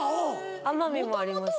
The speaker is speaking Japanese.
奄美もあります。